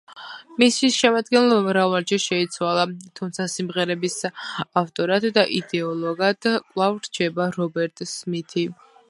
მისი შემადგენლობა მრავალჯერ შეიცვალა, თუმცა სიმღერების ავტორად და იდეოლოგად კვლავ რჩება რობერტ სმითი.